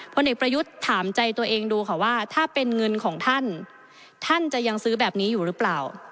พลเอกประยุทธ์ถามใจตัวเองดูค่ะว่าถ้าเป็นเงินของท่านท่านจะยังซื้อแบบนี้อยู่หรือเปล่า